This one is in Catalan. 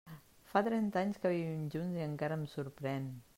Fa trenta anys que vivim junts i encara em sorprèn.